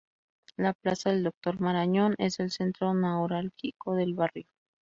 La plaza del Doctor Marañón es el centro neurálgico del barrio.